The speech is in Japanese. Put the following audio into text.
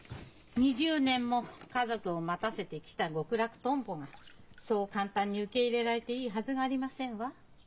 ２０年も家族を待たせてきた極楽トンボがそう簡単に受け入れられていいはずがありませんわ。